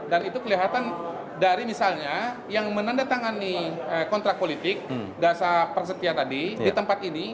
dan itu kelihatan dari misalnya yang menandatangani kontrak politik dasar persetia tadi di tempat ini